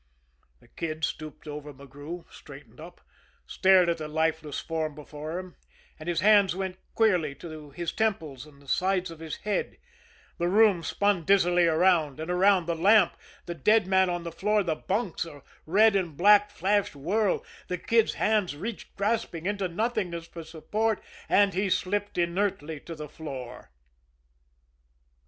The Kid stooped over McGrew, straightened up, stared at the lifeless form before him, and his hands went queerly to his temples and the sides of his head the room spun dizzily around and around, the lamp, the dead man on the floor, the bunks, a red and black flashed whirl the Kid's hands reached grasping into nothingness for support, and he slipped inertly to the floor.